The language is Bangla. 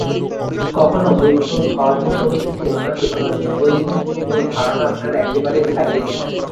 কখনও গুপ্ত ধর্মসমিতি ছিল না, সুতরাং ঐরূপ কোন ধারণা আপনারা একেবারেই ছাড়িয়া দিবেন।